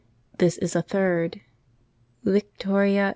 This is a third : VICTORIA